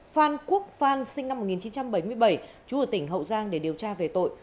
phan quốc phan sinh năm một nghìn chín trăm bảy mươi bảy trú ở tỉnh hậu giang để điều tra về tội